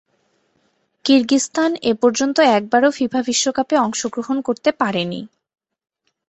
কিরগিজস্তান এপর্যন্ত একবারও ফিফা বিশ্বকাপে অংশগ্রহণ করতে পারেনি।